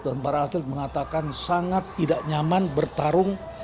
dan para atlet mengatakan sangat tidak nyaman bertarung